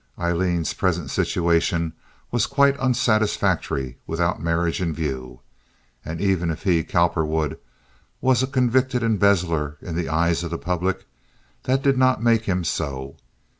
Aileen's present situation was quite unsatisfactory without marriage in view. And even if he, Cowperwood, was a convicted embezzler in the eyes of the public, that did not make him so.